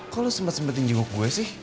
kok lo sempet sempetin jenguk gue sih